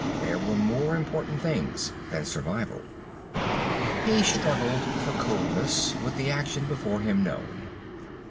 There are more important things than survival. He struggled for coolness, with the action before him known.